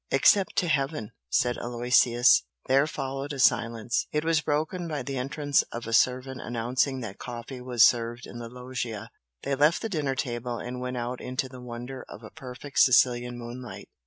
"Except to Heaven!" said Aloysius. There followed a silence. It was broken by the entrance of a servant announcing that coffee was served in the loggia. They left the dinner table and went out into the wonder of a perfect Sicilian moonlight.